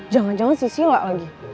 jangan jangan si sila lagi